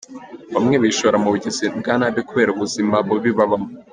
Bamwe bishora mu bugizi bwa nabi kubera ubuzima bubi babamo.